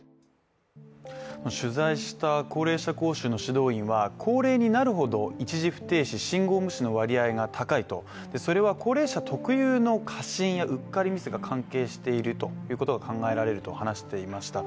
取材した高齢者講習の指導員は高齢になるほど一時不停止、信号無視の割合が高いとそれは高齢者特有の過信やうっかりミスが関係していると考えられると話していました。